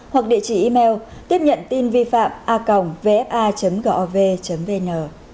hoặc địa chỉ email tiếp nhận tin vi phạm a vfa gov vn